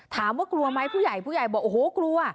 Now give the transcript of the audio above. กลัวไหมผู้ใหญ่ผู้ใหญ่บอกโอ้โหกลัว